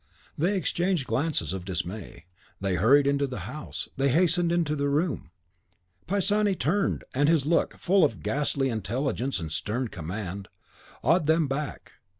They exchanged glances of dismay. They hurried into the house; they hastened into the room. Pisani turned, and his look, full of ghastly intelligence and stern command, awed them back.